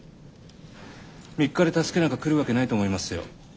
３日で助けなんか来るわけないと思いますよ。